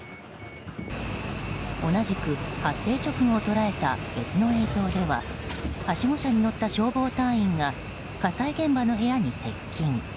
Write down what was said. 同じく発生直後を捉えた別の映像でははしご車に乗った消防隊員が火災現場の部屋に接近。